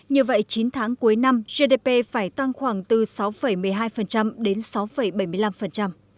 như vậy chín tháng cuối năm gdp phải tăng khoảng từ sáu một mươi hai đến sáu bảy mươi năm